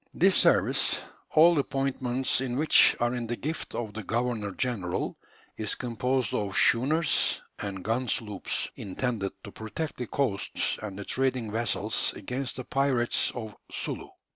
This service, all appointments in which are in the gift of the governor general, is composed of schooners and gun sloops, intended to protect the coasts and the trading vessels against the pirates of Sulu.